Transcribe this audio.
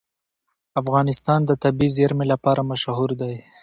افغانستان د طبیعي زیرمې لپاره مشهور دی.